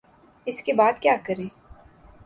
اس کے بعد کیا کریں؟